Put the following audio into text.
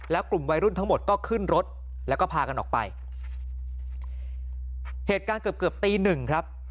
แล้วกลุ่มวัยรุ่นทั้งหมดก็ขึ้นรถแล้วก็พากันออกไปเหตุการณ์เกือบเกือบตีหนึ่งครับ